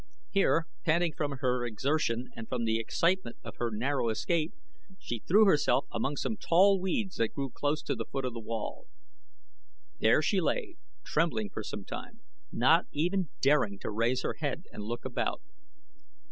Here, panting from her exertion and from the excitement of her narrow escape, she threw herself among some tall weeds that grew close to the foot of the wall. There she lay trembling for some time, not even daring to raise her head and look about.